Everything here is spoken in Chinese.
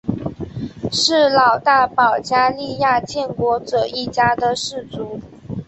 是老大保加利亚建国者一家的氏族。